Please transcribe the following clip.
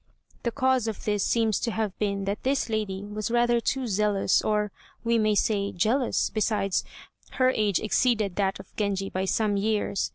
The cause of this seems to have been that this lady was rather too zealous, or, we may say, jealous; besides, her age exceeded that of Genji by some years.